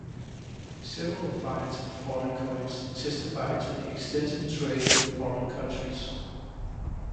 Several finds of foreign coins testify to the extensive trade with foreign countries.